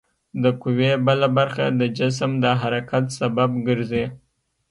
د قوې بله برخه د جسم د حرکت سبب ګرځي.